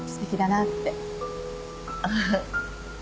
あっ。